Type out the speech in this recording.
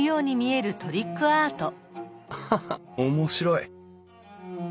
アハハッ面白い。